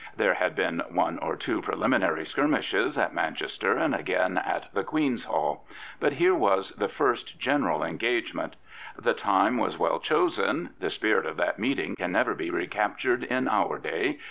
There had been one or two preliminary skirmishes, at Manchester and again at the Queen's Hall. But here was the first general engagement. The time was well chosen. The spirit of that meeting can never be recaptured in our day.